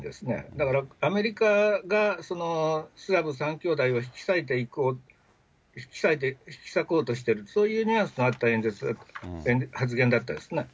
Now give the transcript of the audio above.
だからアメリカがスラブ３兄弟を引き裂こうとしている、そういうニュアンスがあった発言だったですね。